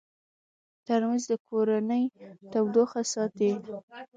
ترموز د کورنۍ تودوخه ساتي.